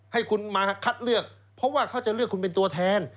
ให้คุณมาคัดเลือกเพราะว่าเขาจะเลือกคุณเป็นตัวแทน